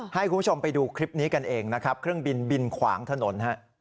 ให้คุณผู้ชมไปดูคลิปนี้กันเองนะครับเครื่องบินบินขวางถนนฮะ